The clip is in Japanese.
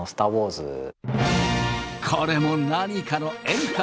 これも何かの縁か？